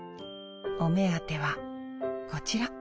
お目当てはこちら。